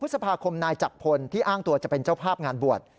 พฤษภาคมนายจักรพลที่อ้างตัวจะเป็นเจ้าภาพงานบวช